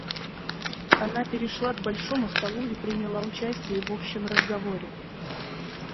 Она перешла к большому столу и приняла участие в общем разговоре.